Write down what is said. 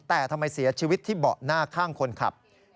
แต่ทำไมเสียชีวิตที่เบาะหน้าข้างคนขับ